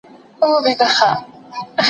ناپوهه لارښود د څېړني ارزښت له منځه وړي.